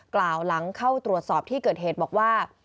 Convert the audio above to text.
กล่าวหลังเข้าตรวจสอบที่เกิดเหตุบอกว่า